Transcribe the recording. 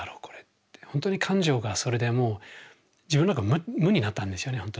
これってほんとに感情がそれでもう自分無になったんですよね